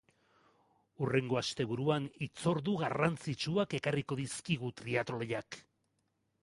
Hurrengo asteburuan hitzordu garrantzitsuak ekarriko dizkigu triatloiak.